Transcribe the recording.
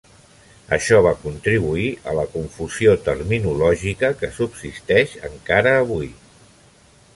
Això va contribuir a la confusió terminològica que subsisteix encara avui.